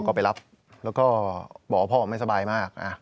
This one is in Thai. ก็ไปรับแล้วก็บอกว่าพ่อไม่สบายมาก